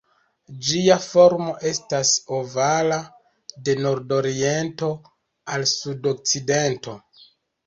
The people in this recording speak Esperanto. Ĝia formo estas ovala, de nord-oriento al sud-okcidento.